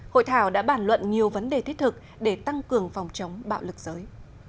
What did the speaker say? hội thảo đã bản luận nhiều vấn đề thiết thực để tăng cường phòng chống bạo lực giới